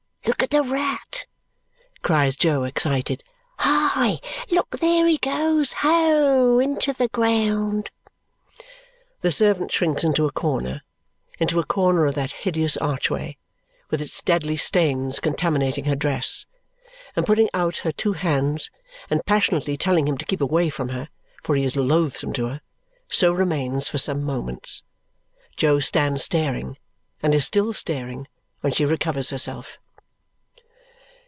Look at the rat!" cries Jo, excited. "Hi! Look! There he goes! Ho! Into the ground!" The servant shrinks into a corner, into a corner of that hideous archway, with its deadly stains contaminating her dress; and putting out her two hands and passionately telling him to keep away from her, for he is loathsome to her, so remains for some moments. Jo stands staring and is still staring when she recovers herself.